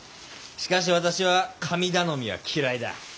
しかし私は神頼みは嫌いだ。